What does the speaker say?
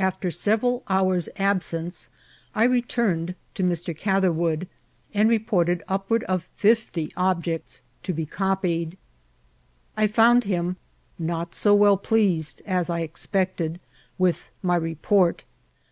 After several hoars' absenee I returned to Mr. Catherwoodi and reported upward of fifty objects to be eqpied. I found him not so well pleased as I expeeted with my report.